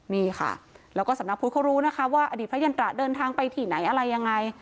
นี่ค่ะแล้วก็สำนักพุทธเขารู้นะคะว่าอดีตพระยันตราเดินทางไปที่ไหนอะไรยังไง